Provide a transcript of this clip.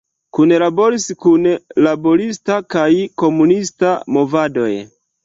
Kunlaboris kun laborista kaj komunista movadoj.